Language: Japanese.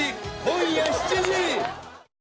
今夜７時。